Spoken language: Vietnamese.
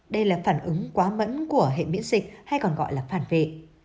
đây là phản ứng quá mẫn của hệ miễn dịch hay còn gọi là phản vệ